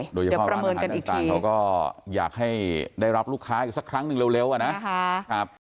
เดี๋ยวประเมินกันอีกทีเดี๋ยวประเมินกันอีกทีเดี๋ยวก็อยากให้ได้รับลูกค้าอีกสักครั้งนึงเร็วนะครับ